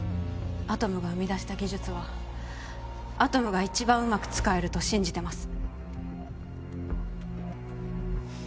アトムが生み出した技術はアトムが一番うまく使えると信じてます